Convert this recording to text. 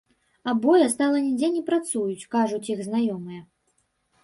Абое стала нідзе не працуюць, кажуць іх знаёмыя.